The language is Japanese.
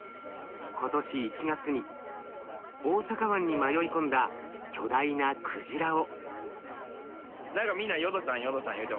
今年１月に大阪湾に迷い込んだ巨大なクジラを。